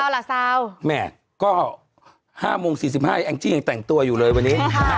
เซาล่ะเซาแหมก็ห้าโมงสี่สิบห้าแอ็งจี้ยังแต่งตัวอยู่เลยวันนี้อ่ะ